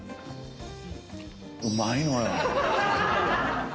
うまいのよ。